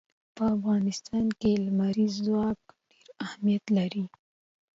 په افغانستان کې لمریز ځواک ډېر اهمیت لري.